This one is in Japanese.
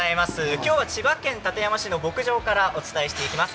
今日は千葉県館山市の牧場からお伝えしていきます。